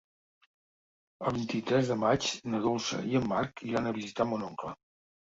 El vint-i-tres de maig na Dolça i en Marc iran a visitar mon oncle.